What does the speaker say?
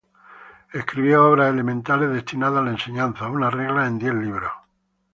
Escribió obras elementales destinadas a la enseñanza, unas Reglas en diez libros.